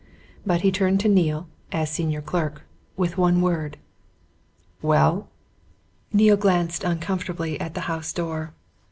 But he turned to Neale, as senior clerk, with one word. "Well?" Neale glanced uncomfortably at the house door.